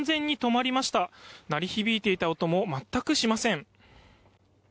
鳴り響いていた音も全くしません。